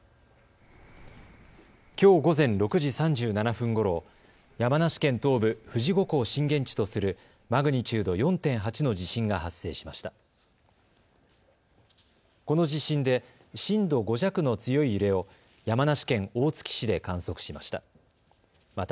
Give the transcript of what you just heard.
きょう午前６時３７分ごろ、山梨県東部、富士五湖を震源地とするマグニチュード４．８の地震が発生しました。